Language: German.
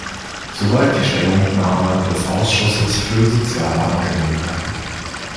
Soweit die Stellungnahme des Ausschusses für soziale Angelegenheiten.